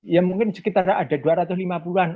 ya mungkin sekitar ada dua ratus lima puluh an